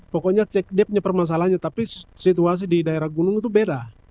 pokoknya cek dia punya permasalahannya tapi situasi di daerah gunung itu beda